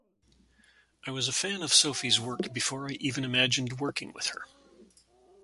I was a fan of Sophie's work before I even imagined working with her.